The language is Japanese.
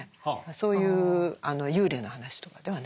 そういう幽霊の話とかではないですね。